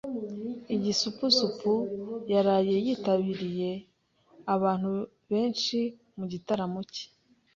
Igisupusupu yaraye yitabiriye abantu benshi mu gitaramo cye.